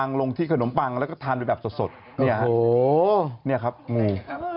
เนี่ยครับงู้